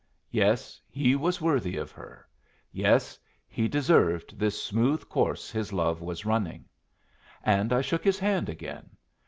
Yes, he was worthy of her! Yes, he deserved this smooth course his love was running! And I shook his hand again.